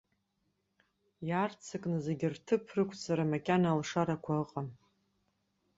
Иаарццакны зегьы рҭыԥ рықәҵараз макьана алшарақәа ыҟам.